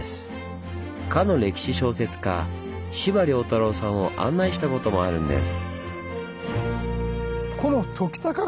かの歴史小説家司馬太郎さんを案内したこともあるんです。